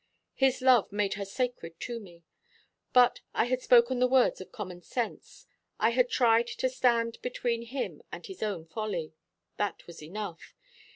His love made her sacred to me; but I had spoken the words of common sense. I had tried to stand between him and his own folly. That was enough.